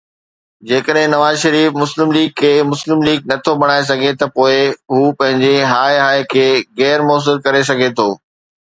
جيڪڏهن نواز شريف مسلم ليگ کي مسلم ليگ نه ٿو بڻائي سگهي ته پوءِ هو پنهنجي ”هاءِ هاءِ“ کي غير موثر ڪري سگهي ٿو.